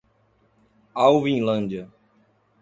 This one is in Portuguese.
Alvinlândia